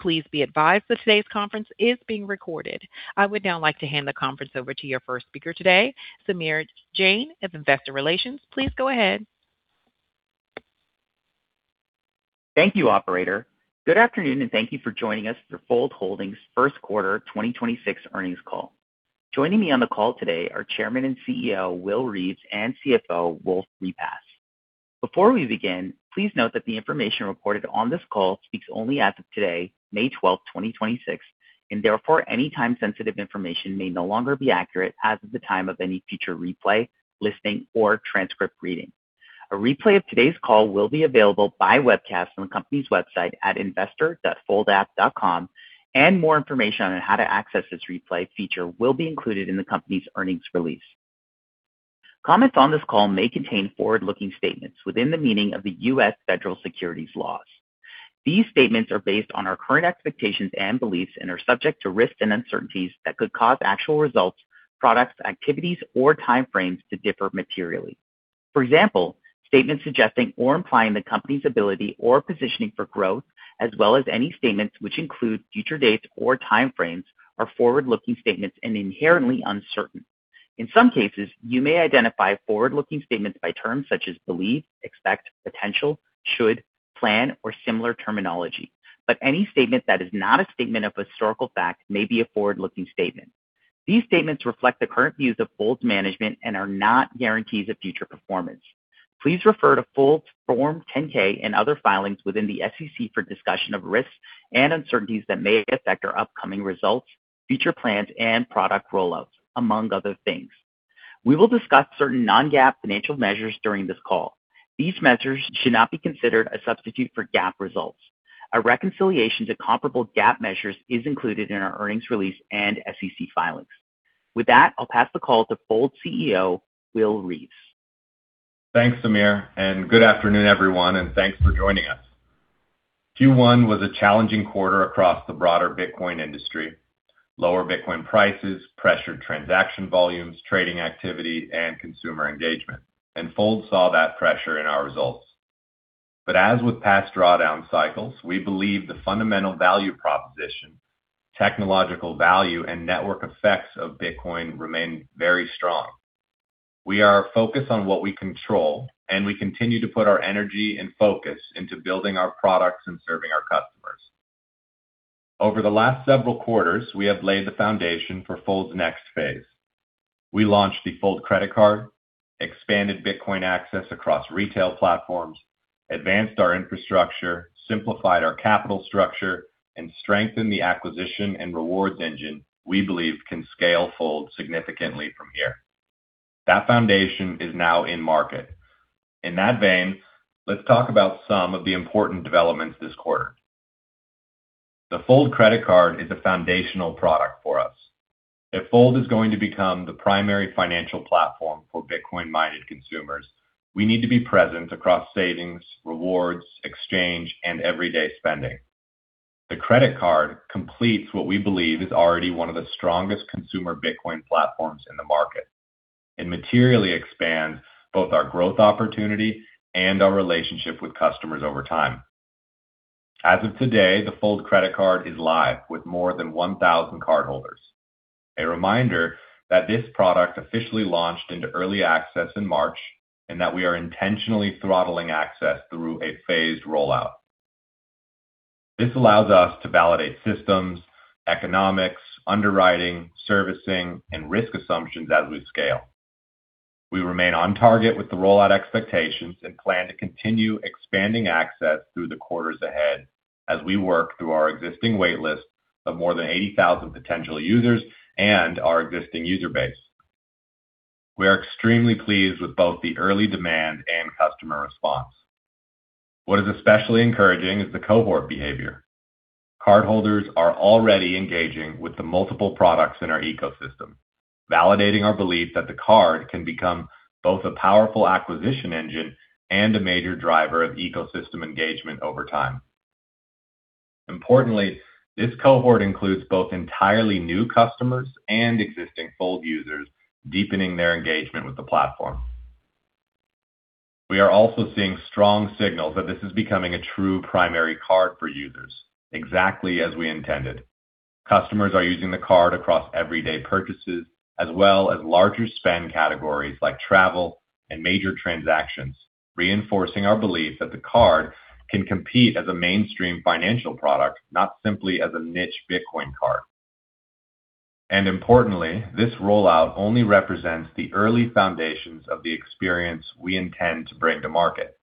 Please be advised that today's conference is being recorded. I would now like to hand the conference over to your first speaker today, Samir Jain of Investor Relations. Please go ahead. Thank you, operator. Good afternoon, thank you for joining us for Fold Holdings' first quarter 2026 earnings call. Joining me on the call today are Chairman and CEO, Will Reeves, and CFO, Wolfe Repass. Before we begin, please note that the information reported on this call speaks only as of today, May 12, 2026, and therefore any time-sensitive information may no longer be accurate as of the time of any future replay, listening, or transcript reading. A replay of today's call will be available by webcast on the company's website at investor.foldapp.com, more information on how to access this replay feature will be included in the company's earnings release. Comments on this call may contain forward-looking statements within the meaning of the U.S. Federal Securities Laws. These statements are based on our current expectations and beliefs and are subject to risks and uncertainties that could cause actual results, products, activities, or time frames to differ materially. For example, statements suggesting or implying the company's ability or positioning for growth, as well as any statements which include future dates or time frames are forward-looking statements and inherently uncertain. In some cases, you may identify forward-looking statements by terms such as believe, expect, potential, should, plan, or similar terminology. Any statement that is not a statement of historical fact may be a forward-looking statement. These statements reflect the current views of Fold's management and are not guarantees of future performance. Please refer to Fold's Form 10-K and other filings within the SEC for discussion of risks and uncertainties that may affect our upcoming results, future plans, and product rollouts, among other things. We will discuss certain non-GAAP financial measures during this call. These measures should not be considered a substitute for GAAP results. A reconciliation to comparable GAAP measures is included in our earnings release and SEC filings. With that, I'll pass the call to Fold CEO, Will Reeves. Thanks, Samir. Good afternoon, everyone, and thanks for joining us. Q1 was a challenging quarter across the broader Bitcoin industry. Lower Bitcoin prices, pressured transaction volumes, trading activity, and consumer engagement. Fold saw that pressure in our results. As with past drawdown cycles, we believe the fundamental value proposition, technological value, and network effects of Bitcoin remain very strong. We are focused on what we control, and we continue to put our energy and focus into building our products and serving our customers. Over the last several quarters, we have laid the foundation for Fold's next phase. We launched the Fold credit card, expanded Bitcoin access across retail platforms, advanced our infrastructure, simplified our capital structure, and strengthened the acquisition and rewards engine we believe can scale Fold significantly from here. That foundation is now in market. In that vein, let's talk about some of the important developments this quarter. The Fold credit card is a foundational product for us. If Fold is going to become the primary financial platform for Bitcoin-minded consumers, we need to be present across savings, rewards, exchange, and everyday spending. The credit card completes what we believe is already one of the strongest consumer Bitcoin platforms in the market and materially expands both our growth opportunity and our relationship with customers over time. As of today, the Fold credit card is live with more than 1,000 cardholders. A reminder that this product officially launched into early access in March, and that we are intentionally throttling access through a phased rollout. This allows us to validate systems, economics, underwriting, servicing, and risk assumptions as we scale. We remain on target with the rollout expectations and plan to continue expanding access through the quarters ahead as we work through our existing wait list of more than 80,000 potential users and our existing user base. We are extremely pleased with both the early demand and customer response. What is especially encouraging is the cohort behavior. Cardholders are already engaging with the multiple products in our ecosystem, validating our belief that the card can become both a powerful acquisition engine and a major driver of ecosystem engagement over time. Importantly, this cohort includes both entirely new customers and existing Fold users, deepening their engagement with the platform. We are also seeing strong signals that this is becoming a true primary card for users, exactly as we intended. Customers are using the card across everyday purchases as well as larger spend categories like travel and major transactions, reinforcing our belief that the card can compete as a mainstream financial product, not simply as a niche Bitcoin card. Importantly, this rollout only represents the early foundations of the experience we intend to bring to market.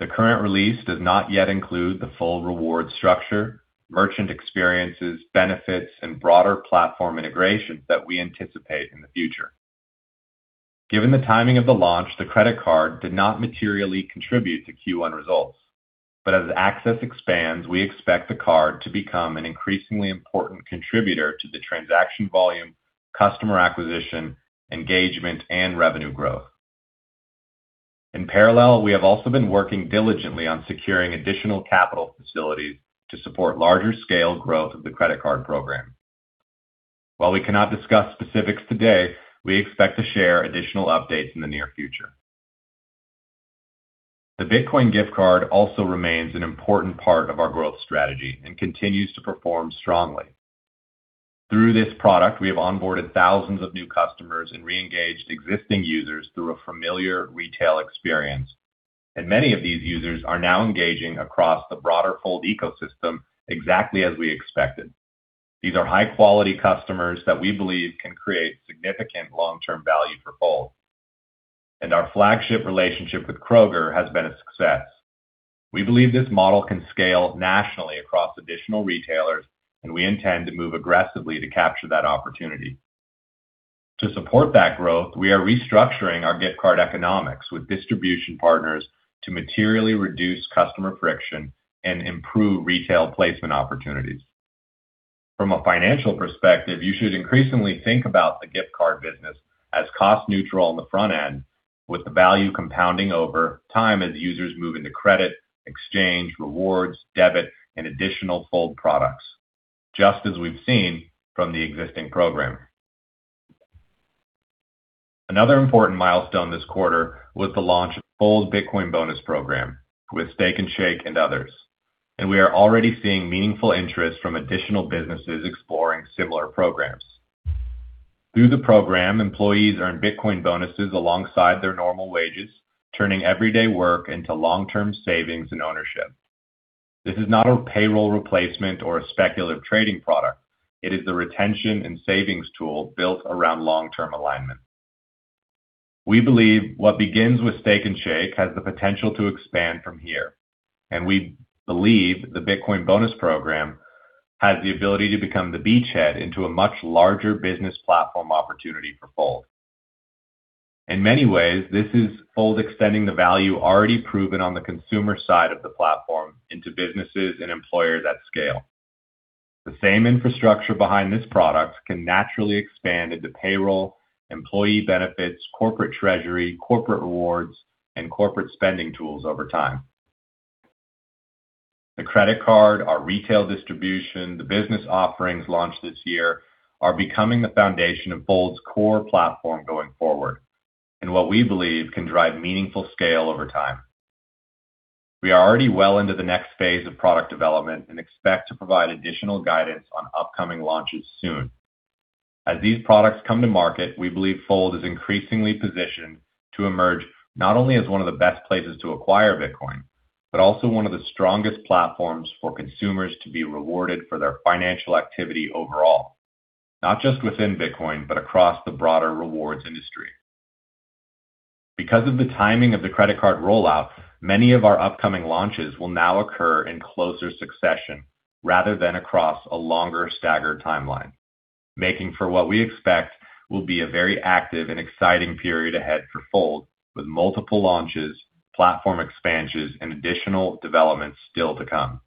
The current release does not yet include the full reward structure, merchant experiences, benefits, and broader platform integrations that we anticipate in the future. Given the timing of the launch, the credit card did not materially contribute to Q1 results. As access expands, we expect the card to become an increasingly important contributor to the transaction volume, customer acquisition, engagement, and revenue growth. In parallel, we have also been working diligently on securing additional capital facilities to support larger scale growth of the credit card program. While we cannot discuss specifics today, we expect to share additional updates in the near future. The Bitcoin Gift Card also remains an important part of our growth strategy and continues to perform strongly. Through this product, we have onboarded thousands of new customers and re-engaged existing users through a familiar retail experience. Many of these users are now engaging across the broader Fold ecosystem exactly as we expected. These are high-quality customers that we believe can create significant long-term value for Fold. Our flagship relationship with Kroger has been a success. We believe this model can scale nationally across additional retailers. We intend to move aggressively to capture that opportunity. To support that growth, we are restructuring our gift card economics with distribution partners to materially reduce customer friction and improve retail placement opportunities. From a financial perspective, you should increasingly think about the gift card business as cost neutral on the front end, with the value compounding over time as users move into credit, exchange, rewards, debit, and additional Fold products, just as we've seen from the existing program. Another important milestone this quarter was the launch of Fold's Bitcoin Bonus Program with Steak 'n Shake and others, and we are already seeing meaningful interest from additional businesses exploring similar programs. Through the program, employees earn Bitcoin bonuses alongside their normal wages, turning everyday work into long-term savings and ownership. This is not a payroll replacement or a speculative trading product. It is the retention and savings tool built around long-term alignment. We believe what begins with Steak 'n Shake has the potential to expand from here, and we believe the Bitcoin Bonus Program has the ability to become the beachhead into a much larger business platform opportunity for Fold. In many ways, this is Fold extending the value already proven on the consumer side of the platform into businesses and employers at scale. The same infrastructure behind this product can naturally expand into payroll, employee benefits, corporate treasury, corporate rewards, and corporate spending tools over time. The credit card, our retail distribution, the business offerings launched this year are becoming the foundation of Fold's core platform going forward, and what we believe can drive meaningful scale over time. We are already well into the next phase of product development and expect to provide additional guidance on upcoming launches soon. As these products come to market, we believe Fold is increasingly positioned to emerge not only as one of the best places to acquire Bitcoin, but also one of the strongest platforms for consumers to be rewarded for their financial activity overall, not just within Bitcoin, but across the broader rewards industry. Because of the timing of the credit card rollout, many of our upcoming launches will now occur in closer succession rather than across a longer staggered timeline, making for what we expect will be a very active and exciting period ahead for Fold, with multiple launches, platform expansions, and additional developments still to come.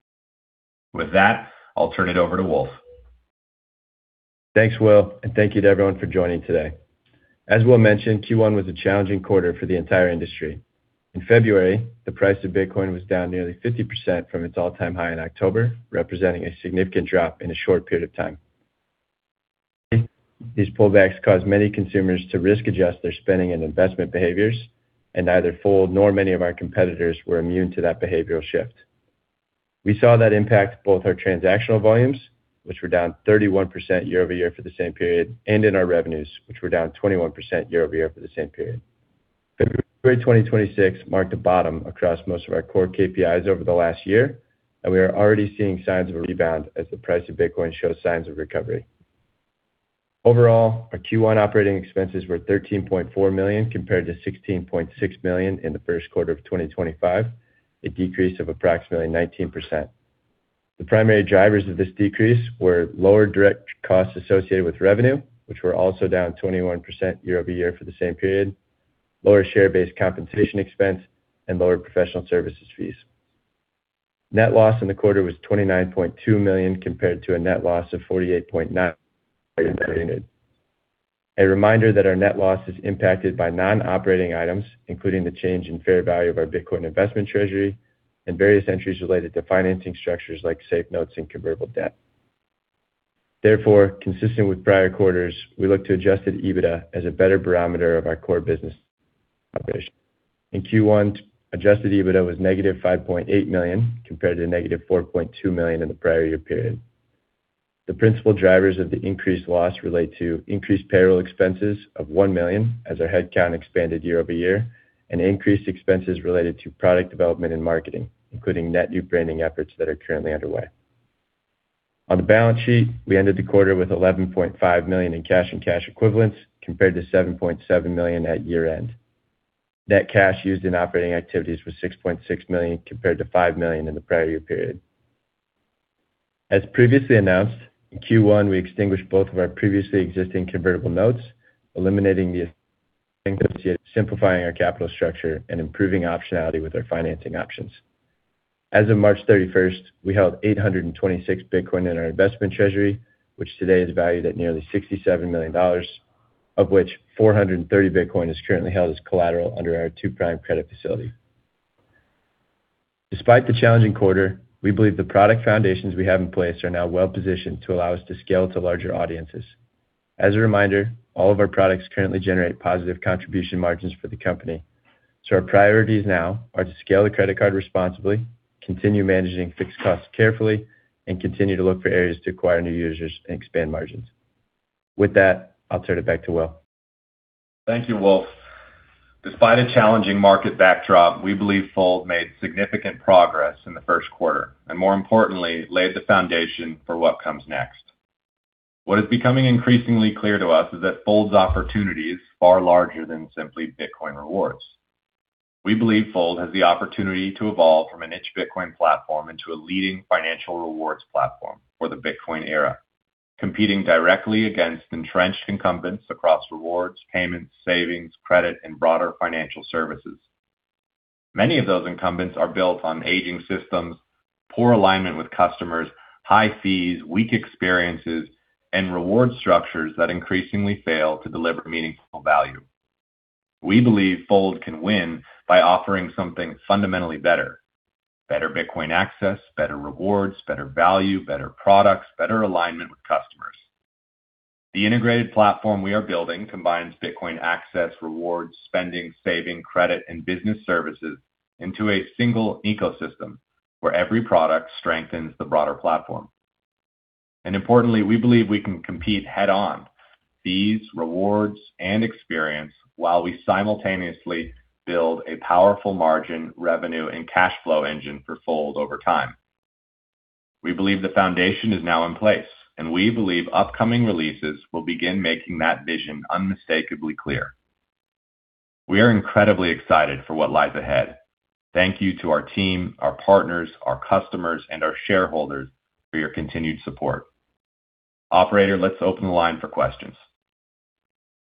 With that, I'll turn it over to Wolfe. Thanks, Will. Thank you to everyone for joining today. As Will mentioned, Q1 was a challenging quarter for the entire industry. In February, the price of Bitcoin was down nearly 50% from its all-time high in October, representing a significant drop in a short period of time. These pullbacks caused many consumers to risk adjust their spending and investment behaviors. Neither Fold nor many of our competitors were immune to that behavioral shift. We saw that impact both our transactional volumes, which were down 31% year-over-year for the same period, and in our revenues, which were down 21% year-over-year for the same period. February 2026 marked a bottom across most of our core KPIs over the last year. We are already seeing signs of a rebound as the price of Bitcoin shows signs of recovery. Overall, our Q1 operating expenses were $13.4 million compared to $16.6 million in the first quarter of 2025, a decrease of approximately 19%. The primary drivers of this decrease were lower direct costs associated with revenue, which were also down 21% year-over-year for the same period, lower share-based compensation expense, and lower professional services fees. Net loss in the quarter was $29.2 million compared to a net loss of $48.9. A reminder that our net loss is impacted by non-operating items, including the change in fair value of our Bitcoin investment treasury and various entries related to financing structures like SAFE notes and convertible debt. Therefore, consistent with prior quarters, we look to Adjusted EBITDA as a better barometer of our core business operations. In Q1, Adjusted EBITDA was negative $5.8 million compared to negative $4.2 million in the prior year period. The principal drivers of the increased loss relate to increased payroll expenses of $1 million as our headcount expanded year-over-year, and increased expenses related to product development and marketing, including net new branding efforts that are currently underway. On the balance sheet, we ended the quarter with $11.5 million in cash and cash equivalents compared to $7.7 million at year-end. Net cash used in operating activities was $6.6 million compared to $5 million in the prior year period. As previously announced, in Q1 we extinguished both of our previously existing convertible notes, eliminating the simplifying our capital structure and improving optionality with our financing options. As of March 31st, we held 826 Bitcoin in our investment treasury, which today is valued at nearly $67 million, of which 430 Bitcoin is currently held as collateral under our Two Prime Credit Facility. Despite the challenging quarter, we believe the product foundations we have in place are now well-positioned to allow us to scale to larger audiences. As a reminder, all of our products currently generate positive contribution margins for the company. Our priorities now are to scale the credit card responsibly, continue managing fixed costs carefully, and continue to look for areas to acquire new users and expand margins. With that, I'll turn it back to Will. Thank you, Wolfe. Despite a challenging market backdrop, we believe Fold made significant progress in the first quarter, and more importantly, laid the foundation for what comes next. What is becoming increasingly clear to us is that Fold's opportunity is far larger than simply Bitcoin rewards. We believe Fold has the opportunity to evolve from a niche Bitcoin platform into a leading financial rewards platform for the Bitcoin era, competing directly against entrenched incumbents across rewards, payments, savings, credit, and broader financial services. Many of those incumbents are built on aging systems, poor alignment with customers, high fees, weak experiences, and reward structures that increasingly fail to deliver meaningful value. We believe Fold can win by offering something fundamentally better Bitcoin access, better rewards, better value, better products, better alignment with customers. The integrated platform we are building combines Bitcoin access, rewards, spending, saving, credit, and business services into a single ecosystem where every product strengthens the broader platform. Importantly, we believe we can compete head-on fees, rewards, and experience while we simultaneously build a powerful margin, revenue, and cash flow engine for Fold over time. We believe the foundation is now in place, and we believe upcoming releases will begin making that vision unmistakably clear. We are incredibly excited for what lies ahead. Thank you to our team, our partners, our customers, and our shareholders for your continued support. Operator, let's open the line for questions.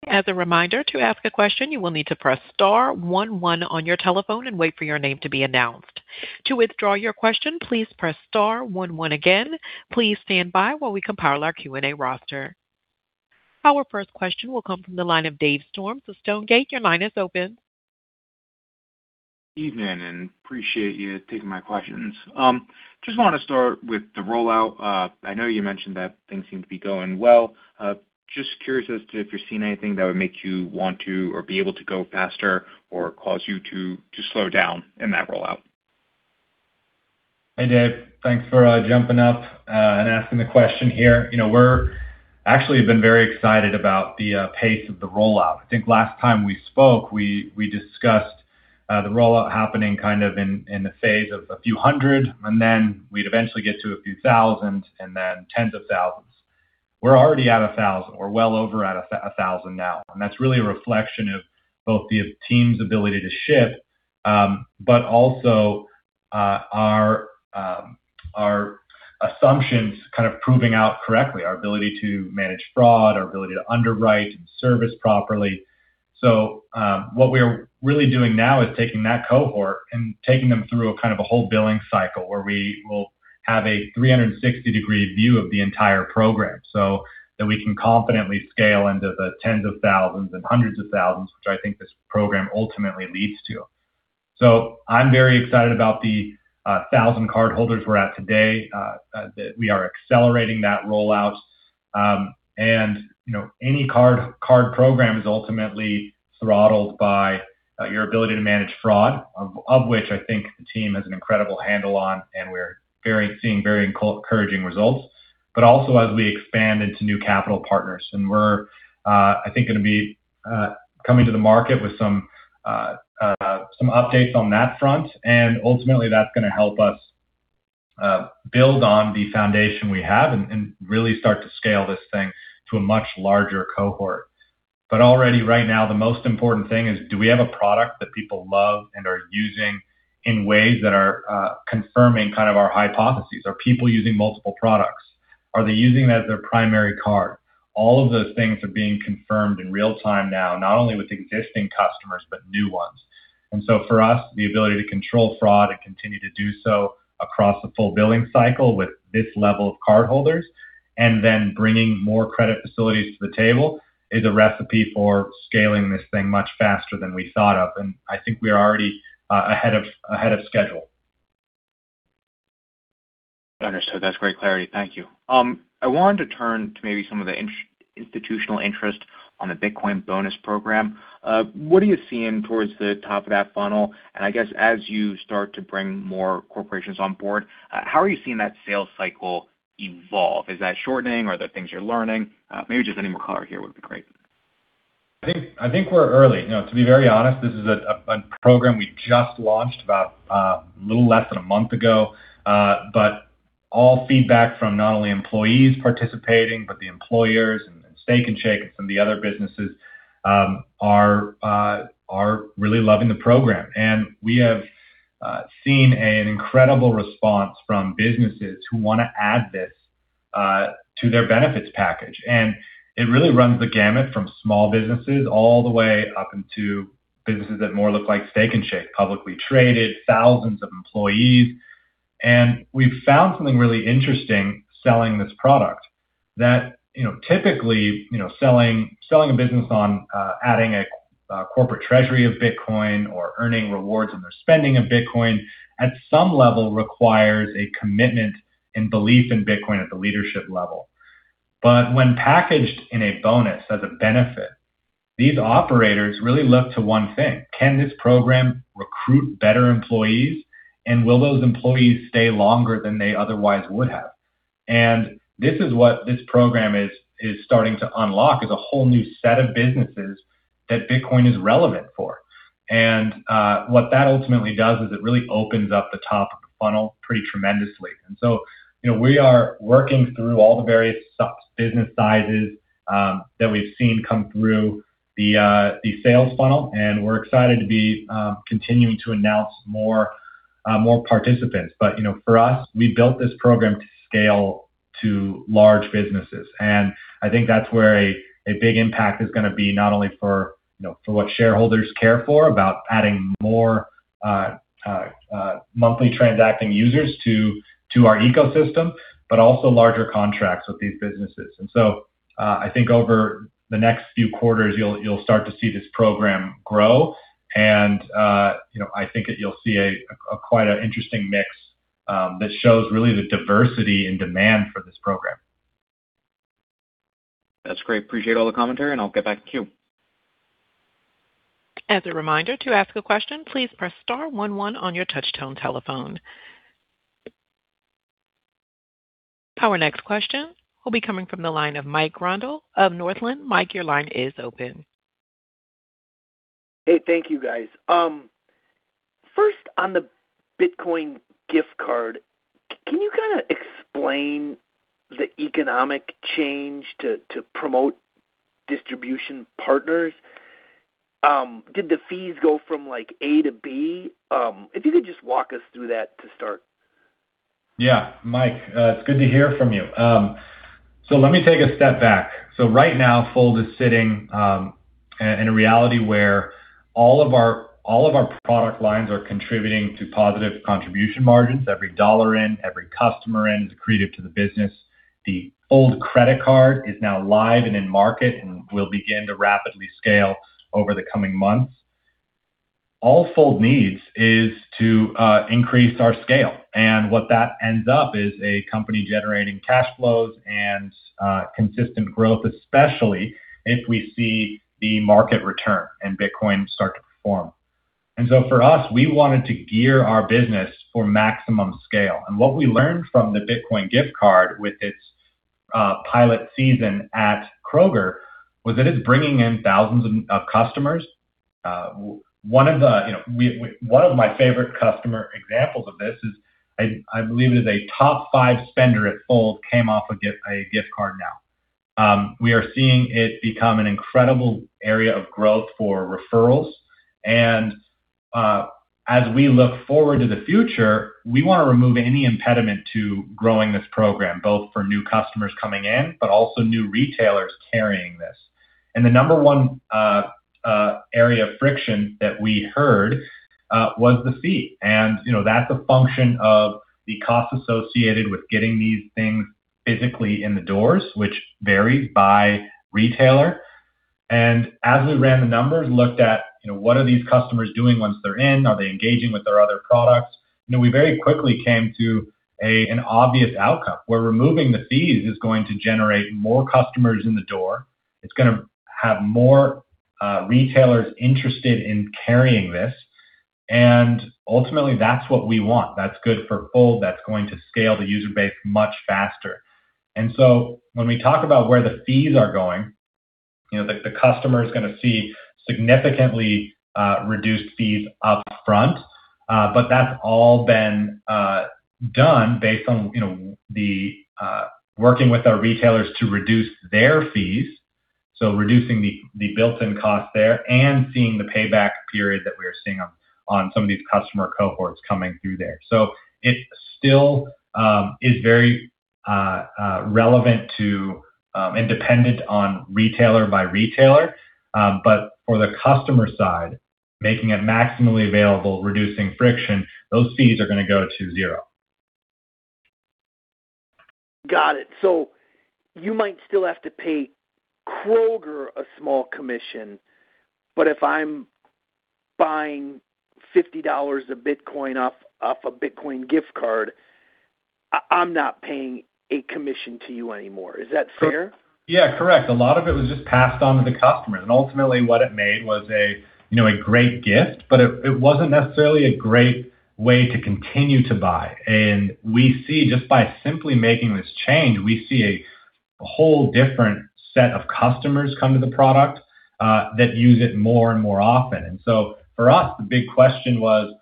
As a reminder, to ask a question, you will need to press star one one on your telephone and wait for your name to be announced. To withdraw your question, please press star one one again. Please stand by while we compile our Q&A roster. Our first question will come from the line of Dave Storms. Stonegate, your line is open. Evening, appreciate you taking my questions. Just want to start with the rollout. I know you mentioned that things seem to be going well. Just curious as to if you're seeing anything that would make you want to or be able to go faster or cause you to slow down in that rollout. Hey, Dave. Thanks for jumping up and asking the question here. You know, we're actually have been very excited about the pace of the rollout. I think last time we spoke, we discussed the rollout happening kind of in the phase of a few hundred, and then we'd eventually get to a few thousand and then tens of thousands. We're already at 1,000. We're well over at 1,000 now. That's really a reflection of both the team's ability to ship, but also our assumptions kind of proving out correctly, our ability to manage fraud, our ability to underwrite and service properly. What we're really doing now is taking that cohort and taking them through a kind of a whole billing cycle where we will have a 360 degree view of the entire program. That we can confidently scale into the tens of thousands and hundreds of thousands, which I think this program ultimately leads to. I'm very excited about the 1,000 cardholders we're at today that we are accelerating that rollout. You know, any card program is ultimately throttled by your ability to manage fraud, of which I think the team has an incredible handle on, and we're seeing very encouraging results. Also as we expand into new capital partners, and we're I think going to be coming to the market with some updates on that front. Ultimately, that's gonna help us build on the foundation we have and really start to scale this thing to a much larger cohort. Already right now, the most important thing is do we have a product that people love and are using in ways that are confirming kind of our hypotheses? Are people using multiple products? Are they using that as their primary card? All of those things are being confirmed in real time now, not only with existing customers, but new ones. So for us, the ability to control fraud and continue to do so across the full billing cycle with this level of cardholders and then bringing more credit facilities to the table is a recipe for scaling this thing much faster than we thought of. I think we are already ahead of schedule. Understood. That's great clarity. Thank you. I wanted to turn to maybe some of the institutional interest on the Bitcoin Bonus Program. What are you seeing towards the top of that funnel? I guess as you start to bring more corporations on board, how are you seeing that sales cycle evolve? Is that shortening? Are there things you're learning? Maybe just any more color here would be great. I think we're early. You know, to be very honest, this is a program we just launched about a little less than a month ago. All feedback from not only employees participating, but the employers and Steak 'n Shake and some of the other businesses are really loving the program. We have seen an incredible response from businesses who wanna add this to their benefits package. It really runs the gamut from small businesses all the way up into businesses that more look like Steak 'n Shake, publicly traded, thousands of employees. We've found something really interesting selling this product that, you know, typically, you know, selling a business on adding a corporate treasury of Bitcoin or earning rewards on their spending of Bitcoin at some level requires a commitment and belief in Bitcoin at the leadership level. When packaged in a bonus as a benefit, these operators really look to one thing, can this program recruit better employees, and will those employees stay longer than they otherwise would have? This is what this program is starting to unlock, is a whole new set of businesses that Bitcoin is relevant for. What that ultimately does is it really opens up the top of the funnel pretty tremendously. You know, we are working through all the various business sizes that we've seen come through the sales funnel, and we're excited to be continuing to announce more participants. You know, for us, we built this program to scale to large businesses, and I think that's where a big impact is gonna be, not only for, you know, for what shareholders care for about adding more monthly transacting users to our ecosystem, but also larger contracts with these businesses. I think over the next few quarters you'll start to see this program grow and, you know, I think that you'll see a quite an interesting mix that shows really the diversity and demand for this program. That's great. Appreciate all the commentary, and I'll get back to queue. As a reminder, to ask a question, please press star one one on your touchtone telephone. Our next question will be coming from the line of Mike Grondahl of Northland. Mike, your line is open. Hey, thank you guys. First on the Bitcoin Gift Card, can you kind of explain the economic change to promote distribution partners? Did the fees go from like A to B? If you could just walk us through that to start. Mike, it's good to hear from you. Let me take a step back. Right now, Fold is sitting in a reality where all of our product lines are contributing to positive contribution margins. Every dollar in, every customer in is accretive to the business. The Fold Card is now live and in market and will begin to rapidly scale over the coming months. All Fold needs is to increase our scale, and what that ends up is a company generating cash flows and consistent growth, especially if we see the market return and Bitcoin start to perform. For us, we wanted to gear our business for maximum scale. What we learned from the Bitcoin Gift Card with its pilot season at Kroger was that it's bringing in thousands of customers. One of my favorite customer examples of this is, I believe it is a top five spender at Fold came off a gift card now. We are seeing it become an incredible area of growth for referrals. As we look forward to the future, we wanna remove any impediment to growing this program, both for new customers coming in, but also new retailers carrying this. The number 1 area of friction that we heard was the fee. You know, that's a function of the cost associated with getting these things physically in the doors, which varies by retailer. As we ran the numbers, looked at, you know, what are these customers doing once they're in, are they engaging with our other products, you know, we very quickly came to an obvious outcome, where removing the fees is going to generate more customers in the door. It's gonna have more retailers interested in carrying this. Ultimately, that's what we want. That's good for Fold. That's going to scale the user base much faster. When we talk about where the fees are going, you know, the customer is gonna see significantly reduced fees up front. That's all been done based on working with our retailers to reduce their fees, so reducing the built-in cost there, and seeing the payback period that we are seeing on some of these customer cohorts coming through there. It still is very relevant to and dependent on retailer by retailer. For the customer side, making it maximally available, reducing friction, those fees are gonna go to zero. Got it. You might still have to pay Kroger a small commission, but if I'm buying $50 of Bitcoin off a Bitcoin Gift Card, I'm not paying a commission to you anymore. Is that fair? Yeah, correct. A lot of it was just passed on to the customer. Ultimately what it made was a, you know, a great gift, but it wasn't necessarily a great way to continue to buy. We see just by simply making this change, we see a whole different set of customers come to the product that use it more and more often. For us, the big question was,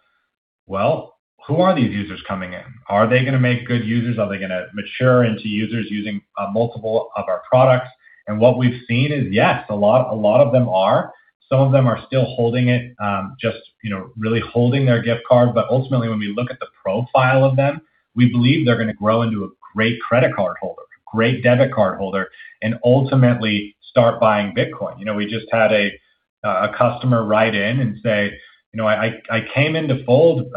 well, who are these users coming in? Are they gonna make good users? Are they gonna mature into users using multiple of our products? What we've seen is, yes, a lot of them are. Some of them are still holding it, just, you know, really holding their gift card. Ultimately, when we look at the profile of them, we believe they're gonna grow into a great credit card holder, great debit card holder, and ultimately start buying Bitcoin. You know, we just had a customer write in and say, "You know, I came into Fold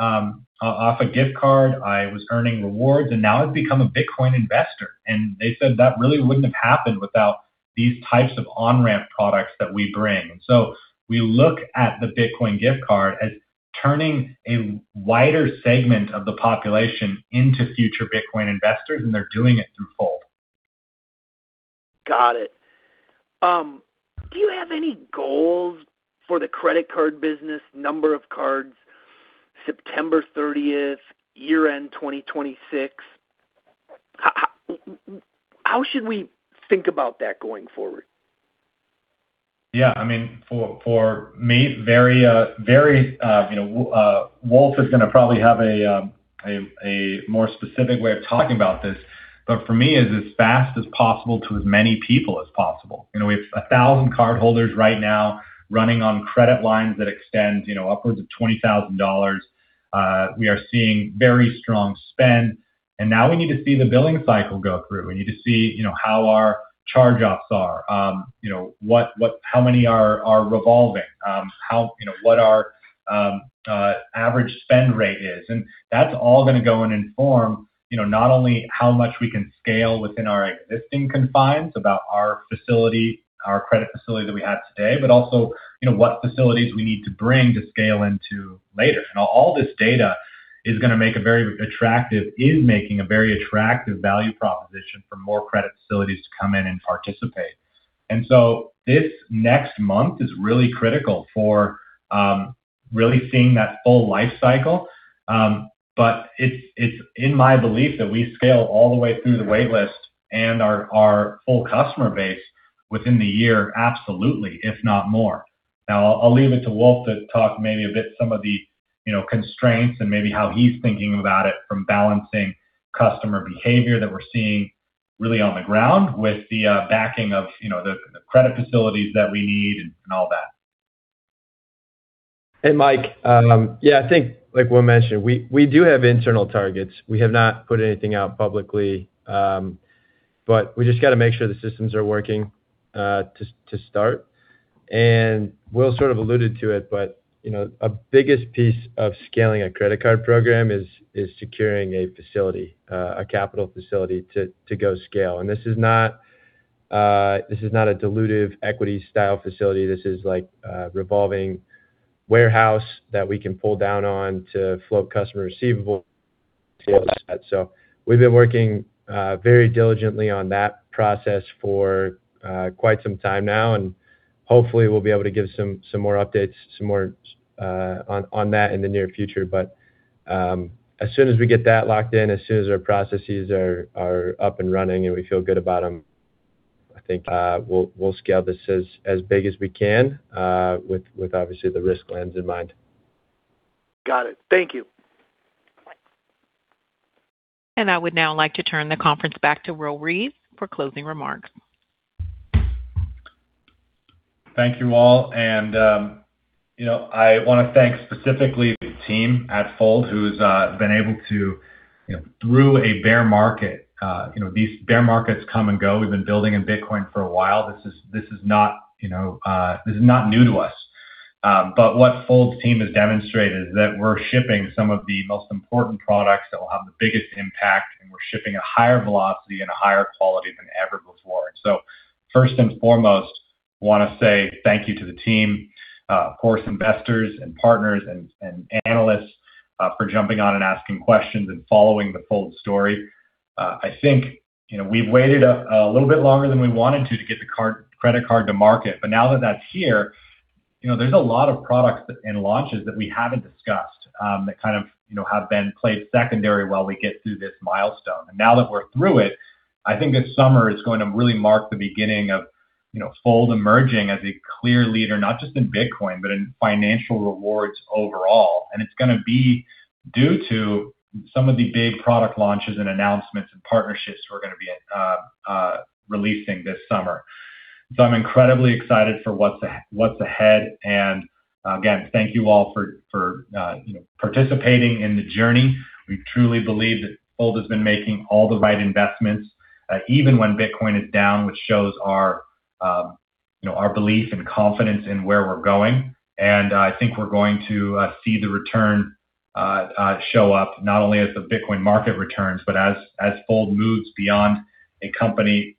off a gift card. I was earning rewards, and now I've become a Bitcoin investor." They said that really wouldn't have happened without these types of on-ramp products that we bring. We look at the Bitcoin Gift Card as turning a wider segment of the population into future Bitcoin investors, and they're doing it through Fold. Got it. Do you have any goals for the credit card business, number of cards September 30th, year-end 2026? How should we think about that going forward? Yeah. I mean, for me, very, very, you know, Wolfe is gonna probably have a more specific way of talking about this. For me, it's as fast as possible to as many people as possible. You know, we have 1,000 cardholders right now running on credit lines that extend, you know, upwards of $20,000. We are seeing very strong spend. Now we need to see the billing cycle go through. We need to see, you know, how our charge-offs are. You know, how many are revolving. How, you know, what our average spend rate is. That's all gonna go and inform, you know, not only how much we can scale within our existing confines about our facility, our credit facility that we have today, but also, you know, what facilities we need to bring to scale into later. All this data is making a very attractive value proposition for more credit facilities to come in and participate. This next month is really critical for really seeing that full life cycle. It's, it's in my belief that we scale all the way through the wait list and our full customer base within the year, absolutely, if not more. I'll leave it to Wolfe to talk maybe a bit some of the, you know, constraints and maybe how he's thinking about it from balancing customer behavior that we're seeing really on the ground with the backing of, you know, the credit facilities that we need and all that. Hey, Mike. Yeah, I think like Will mentioned, we do have internal targets. We have not put anything out publicly, we just gotta make sure the systems are working to start. Will sort of alluded to it, you know, a biggest piece of scaling a credit card program is securing a facility, a capital facility to go scale. This is not a dilutive equity style facility. This is like a revolving warehouse that we can pull down on to float customer receivable. We've been working very diligently on that process for quite some time now, and hopefully we'll be able to give some more updates, some more on that in the near future. As soon as we get that locked in, as soon as our processes are up and running and we feel good about them, I think, we'll scale this as big as we can, with obviously the risk lens in mind. Got it. Thank you. I would now like to turn the conference back to Will Reeves for closing remarks. Thank you all. You know, I wanna thank specifically the team at Fold who's been able to, you know, through a bear market, you know, these bear markets come and go. We've been building in Bitcoin for a while. This is not, you know, new to us. What Fold's team has demonstrated is that we're shipping some of the most important products that will have the biggest impact, and we're shipping at higher velocity and a higher quality than ever before. First and foremost, wanna say thank you to the team, of course, investors and partners and analysts for jumping on and asking questions and following the Fold story. I think, you know, we've waited a little bit longer than we wanted to to get the credit card to market. Now that that's here, you know, there's a lot of products and launches that we haven't discussed, that kind of, you know, have been played secondary while we get through this milestone. Now that we're through it, I think this summer is going to really mark the beginning of, you know, Fold emerging as a clear leader, not just in Bitcoin, but in financial rewards overall. It's gonna be due to some of the big product launches and announcements and partnerships we're gonna be releasing this summer. I'm incredibly excited for what's ahead. Again, thank you all for, you know, participating in the journey. We truly believe that Fold has been making all the right investments, even when Bitcoin is down, which shows our, you know, our belief and confidence in where we're going. I think we're going to see the return show up not only as the Bitcoin market returns, but as Fold moves beyond a company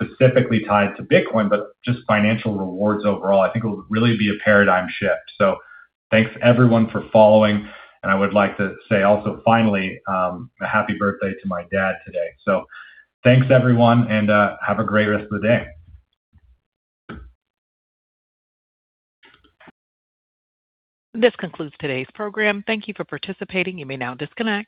specifically tied to Bitcoin, but just financial rewards overall. I think it'll really be a paradigm shift. Thanks everyone for following, and I would like to say also finally, a happy birthday to my dad today. Thanks everyone, and have a great rest of the day. This concludes today's program. Thank you for participating. You may now disconnect.